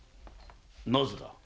なぜだ？